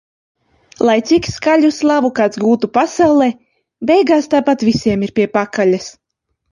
Lai cik skaļu slavu kāds gūtu pasaulē - beigās tāpat visiem ir pie pakaļas.